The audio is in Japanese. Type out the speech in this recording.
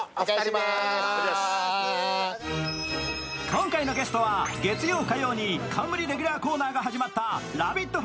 今回のゲストは月曜、火曜に冠レギュラーコーナーが始まった「ラヴィット！」